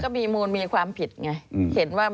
ก็มีมูลมีความผิดไง